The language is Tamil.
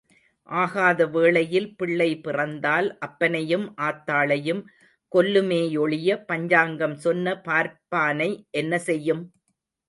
ஆகாத வேளையில் பிள்ளை பிறந்தால் அப்பனையும் ஆத்தாளையும் கொல்லுமேயொழிய, பஞ்சாங்கம் சொன்ன பார்ப்பானை என்ன செய்யும்?